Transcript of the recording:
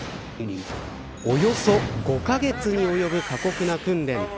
およそ５カ月に及ぶ過酷な訓練。